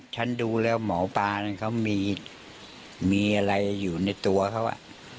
ฉันดูแล้วหมอปลานั้นเขามีอะไรอยู่ในตัวเขา